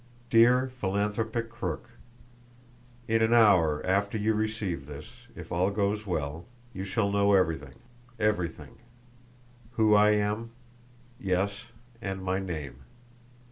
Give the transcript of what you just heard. "DEAR PHILANTHROPIC CROOK: In an hour after you receive this, if all goes well, you shall know everything everything. Who I am yes, and my name.